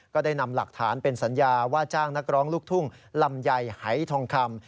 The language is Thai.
ก็ได้นำหลักฐานเป็นสัญญาว่าจ้างนักร้องลูกทุ่งลำไยหายทองคำ